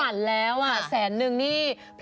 สวัสดีค่ะสวัสดีค่ะ